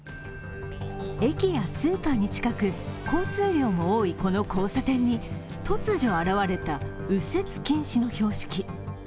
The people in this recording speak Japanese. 駅やスーパーに近く交通量も多いこの交差点に突如現れた右折禁止の標識。